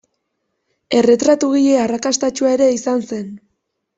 Erretratugile arrakastatsua ere izan zen.